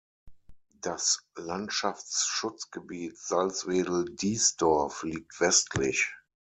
Das Landschaftsschutzgebiet Salzwedel-Diesdorf liegt westlich.